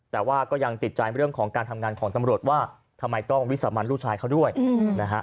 แต่ว่าก็ยังติดใจเรื่องของการทำงานของตำรวจว่าทำไมต้องวิสามันลูกชายเขาด้วยนะฮะ